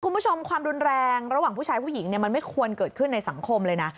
คุณผู้ชมความรุนแรงระหว่างผู้ชายผู้หญิงเนี่ยมันไม่ควรเกิดขึ้นในสังคมเลยนะ